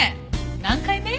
何回目？